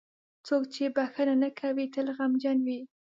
• څوک چې بښنه نه کوي، تل غمجن وي.